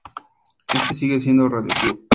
Este sigue siendo radiactivo.